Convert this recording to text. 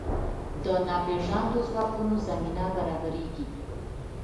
د ناپېژاندو ځواکونو زمینه برابرېږي.